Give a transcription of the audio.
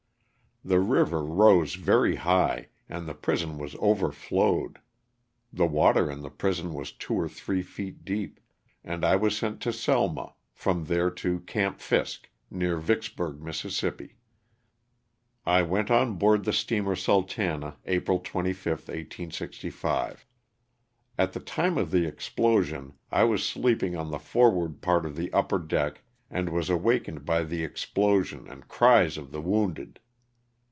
The river rose very high and the prison was overflowed (the water in the prison was two or three feet deep), and I was sent to Selma, from there to '' Camp Fisk," near Vicksburg, Miss. I went on board the steamer " Sultana " April 25, 1865. At the time of the explosion I was sleeping on the forward part of the upper deck and was awakened by the explosion and cries of the wounded.